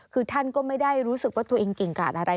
คือท่านก็ไม่ได้รู้สึกว่าตัวเองเก่งกาดอะไร